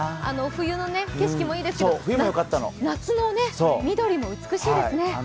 冬の景色もいいんですけど夏の緑も美しいですね。